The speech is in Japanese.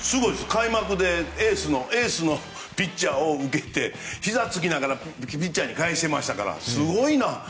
開幕でエースのピッチャーを受けてひざをつきながらピッチャーに返してましたからすごいなと。